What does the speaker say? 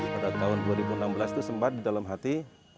pada tahun dua ribu enam belas itu sempat di dalam hati